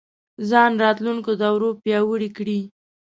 ځان راتلونکو دورو پیاوړی کړي